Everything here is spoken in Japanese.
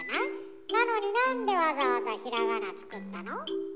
なのになんでわざわざひらがな作ったの？